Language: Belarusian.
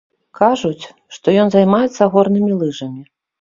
Кажуць, што ён займаецца горнымі лыжамі.